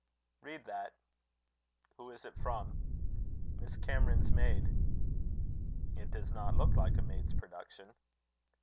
"Read that." "Who is it from?" "Miss Cameron's maid." "It does not look like a maid's production."